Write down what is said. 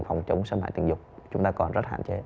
phòng chống xâm hại tình dục chúng ta còn rất hạn chế